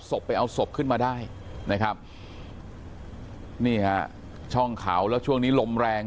ไปเอาศพขึ้นมาได้นะครับนี่ฮะช่องเขาแล้วช่วงนี้ลมแรง